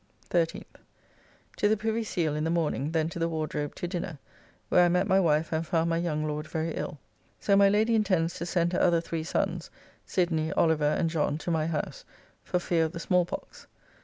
13th. To the Privy Seal in the morning, then to the Wardrobe to dinner, where I met my wife, and found my young Lord very ill. So my Lady intends to send her other three sons, Sidney, Oliver, and John, to my house, for fear of the small pox.